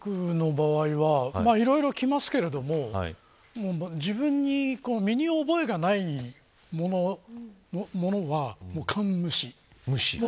僕の場合はいろいろ来ますけれども自分に身に覚えがないものはがん無視です。